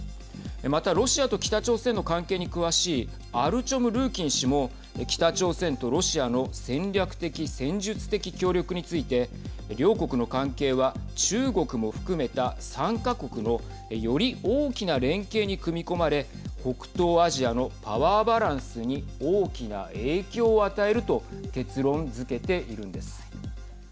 また、ロシアと北朝鮮の関係に詳しいアルチョム・ルーキン氏も北朝鮮とロシアの戦略的・戦術的協力について両国の関係は中国も含めた３か国のより大きな連携に組み込まれ北東アジアのパワーバランスに大きな影響を与えると結論づけているんです。